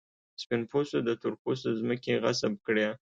سپین پوستو د تور پوستو ځمکې غصب کړې.